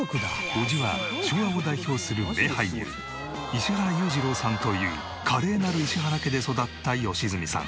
叔父は昭和を代表する名俳優石原裕次郎さんという華麗なる石原家で育った良純さん。